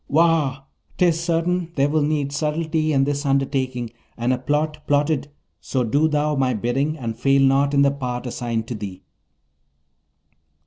Wah! 'tis certain there will need subtlety in this undertaking, and a plot plotted, so do thou my bidding, and fail not in the part assigned to thee.'